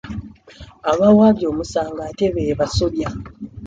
Abaawaabye omusango ate be basobya.